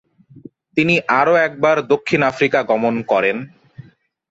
তিনি আরও একবার দক্ষিণ আফ্রিকা গমন করেন।